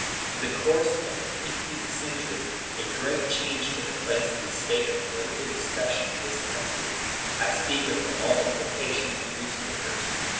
In the course of the eighteenth century, a great change took place in the state of political discussion in this country, I speak of the mul tiplication of newspapers.